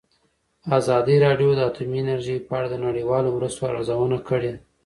ازادي راډیو د اټومي انرژي په اړه د نړیوالو مرستو ارزونه کړې.